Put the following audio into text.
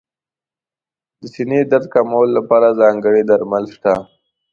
د سینې درد کمولو لپاره ځانګړي درمل شته.